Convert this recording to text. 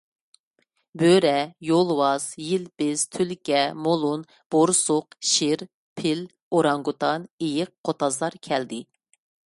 بۆرە، يولۋاس، يىلپىز، تۈلكە، مولۇن، بورسۇق، شىر، پىل، ئورانگوتان، ئېيىق، قوتازلار كەلدى.